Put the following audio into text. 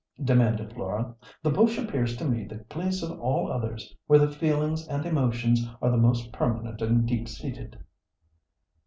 demanded Laura. "The bush appears to me the place of all others where the feelings and emotions are the most permanent and deep seated."